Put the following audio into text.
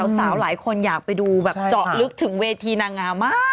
สาวหลายคนอยากไปดูแบบเจาะลึกถึงเวทีนางงามมาก